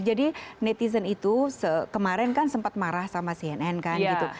jadi netizen itu kemarin kan sempat marah sama cnn kan gitu